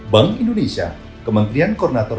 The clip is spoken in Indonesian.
bank indonesia kementerian koordinator